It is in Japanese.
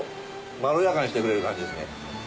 まろやかにしてくれる感じですね。